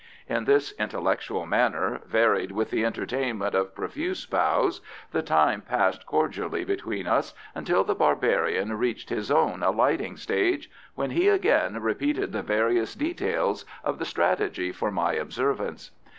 In this intellectual manner, varied with the entertainment of profuse bows, the time passed cordially between us until the barbarian reached his own alighting stage, when he again repeated the various details of the strategy for my observance.